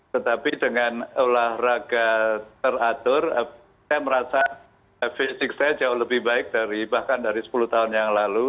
tetapi dengan olahraga teratur saya merasa fisik saya jauh lebih baik bahkan dari sepuluh tahun yang lalu